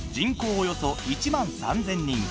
およそ１万３０００人